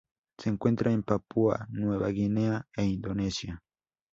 Se encuentra en Papúa Nueva Guinea e Indonesia.